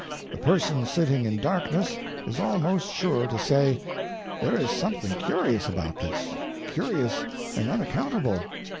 The Person Sitting in Darkness is almost sure to say: "There is something curious about this — curious and unaccountable.